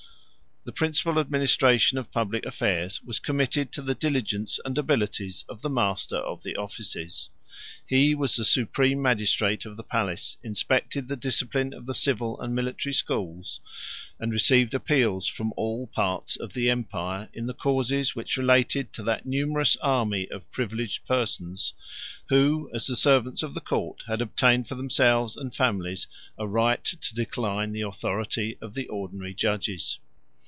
143 2. The principal administration of public affairs was committed to the diligence and abilities of the master of the offices. 144 He was the supreme magistrate of the palace, inspected the discipline of the civil and military schools, and received appeals from all parts of the empire, in the causes which related to that numerous army of privileged persons, who, as the servants of the court, had obtained for themselves and families a right to decline the authority of the ordinary judges.